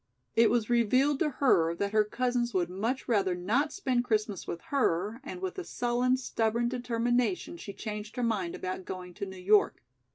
It was revealed to her that her cousins would much rather not spend Christmas with her, and with a sullen, stubborn determination she changed her mind about going to New York.